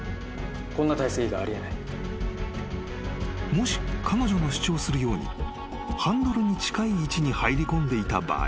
［もし彼女の主張するようにハンドルに近い位置に入りこんでいた場合］